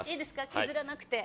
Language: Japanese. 削らなくて。